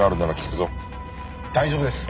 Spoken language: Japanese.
大丈夫です。